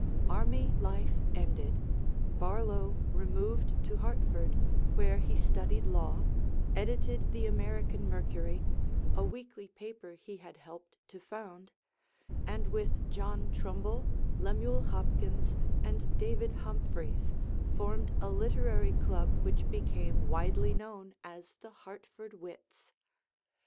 Army life ended, Barlow removed to Hartford, where he studied law, edited the American Mercury, a weekly paper he had helped to found, and with John Trumbull, Lemuel Hopkins, and David Humphreys formed a literary club which became widely known as the "Hartford Wits."